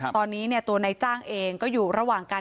ตอนนี้ตัวนายจ้างเองก็อยู่ระหว่างการ